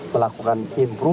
melakukan perhatian khusus